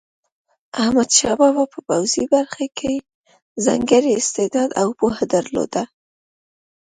احمدشاه بابا په پوځي برخه کې ځانګړی استعداد او پوهه درلوده.